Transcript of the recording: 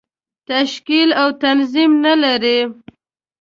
تشکیل او تنظیم نه لري.